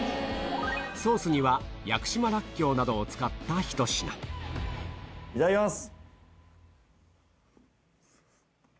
ソースには屋久島らっきょうなどを使ったひと品いただきます！